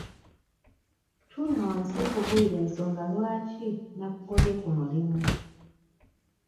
Tuula wansi nkubuulire ensonga lwaki nakugobye ku mulimu.